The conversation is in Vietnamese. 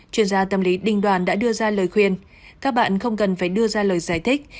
chuyên gia tâm lý đinh đoàn đã đưa ra lời khuyên các bạn không cần phải đưa ra lời giải thích